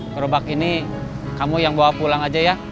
gerobak ini kamu yang bawa pulang aja ya